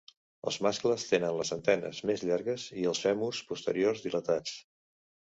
Els mascles tenen les antenes més llargues i els fèmurs posteriors dilatats.